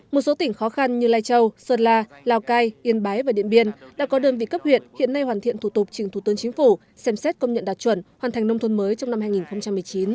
một số tỉnh khó khăn như lai châu sơn la lào cai yên bái và điện biên đã có đơn vị cấp huyện hiện nay hoàn thiện thủ tục trình thủ tướng chính phủ xem xét công nhận đạt chuẩn hoàn thành nông thôn mới trong năm hai nghìn một mươi chín